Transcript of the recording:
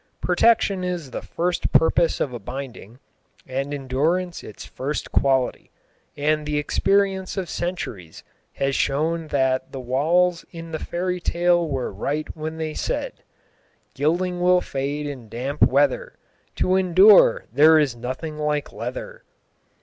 Protection is the first purpose of a binding, and endurance its first quality, and the experience of centuries has shown that the walls in the fairy tale were right when they said, "Gilding will fade in damp weather, To endure, there is nothing like LEATHER."